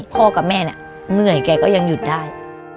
พ่อกับแม่เหนื่อยแกก็ยังหยุดได้